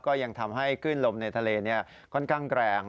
ก็ยังทำให้คลื่นลมในทะเลค่อนข้างแรง